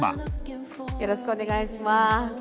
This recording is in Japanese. よろしくお願いします。